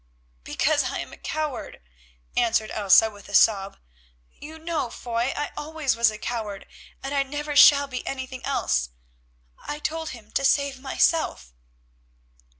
"Because I am a coward," answered Elsa with a sob. "You know, Foy, I always was a coward, and I never shall be anything else. I told him to save myself."